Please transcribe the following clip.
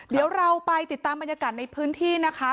เดี๋ยวเราไปติดตามบรรยากาศในพื้นที่นะคะ